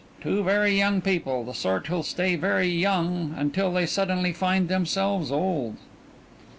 Two very young people, the sort who'll stay very young until they suddenly find themselves old.